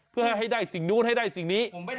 เพื่อให้ได้สิ่งนู้นให้ได้สิ่งนี้